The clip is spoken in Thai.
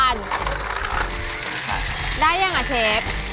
ได้หรือยังเชฟ